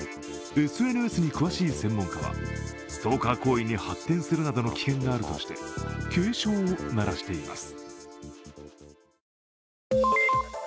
ＳＮＳに詳しい専門家は、ストーカー行為に発展するなどの危険があるとして警鐘を鳴らしています。